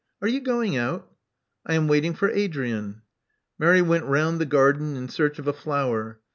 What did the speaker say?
Are you going out?" '4 am waiting for Adrian." Mary went round the garden in search of a flower.